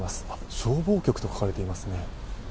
消防局と書かれていますね。